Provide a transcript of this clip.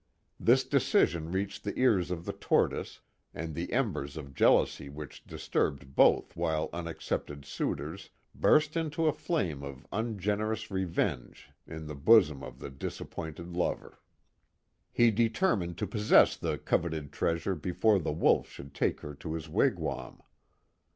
This decision reached the cars of the Tortoise, and the embers of jealousy which disturbed both while unaccepted suitors, burst into a flame of ungenerous revenge in ihe bosom of the disappointed lover. He determined to possess the coveted treasure before the Wolf should take her to bis wigwam.